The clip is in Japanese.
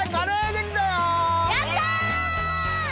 やった！